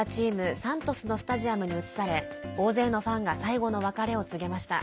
サントスのスタジアムに移され大勢のファンが最後の別れを告げました。